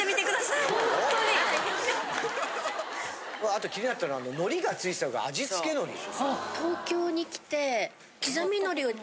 あと気になったのはのりがついてたのが味付けのり。